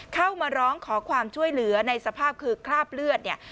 เข้ามาร้องขอความช่วยเหลือในสภาพคือคราบเลือดเนี่ย